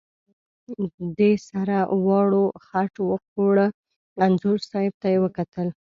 دې سره دواړو خټ وخوړه، انځور صاحب ته یې وکتل.